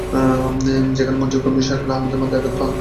সেখানে মঞ্চের কর্মী শাকিল আহমেদ মাথায় আঘাত পান বলে জানা গেছে।